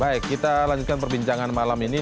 baik kita lanjutkan perbincangan malam ini